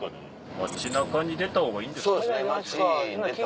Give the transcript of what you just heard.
街中に出たほうがいいんじゃないですか。